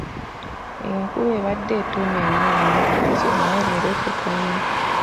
Enkuba ebadde etonnya nnyo ennaku ezo naye leero tetonnye.